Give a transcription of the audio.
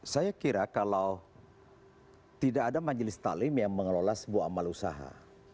saya kira kalau tidak ada majelis ⁇ talim yang mengelola sebuah amal usaha